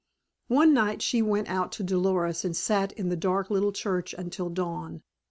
One night she went out to Dolores and sat in the dark little church until dawn.